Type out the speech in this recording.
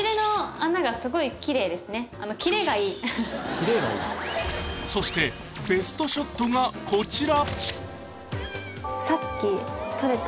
これそしてベストショットがこちら！